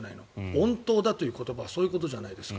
穏当だという言葉はそういうことじゃないですか。